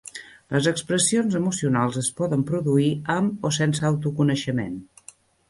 Les expressions emocionals es poden produir amb o sense autoconeixement.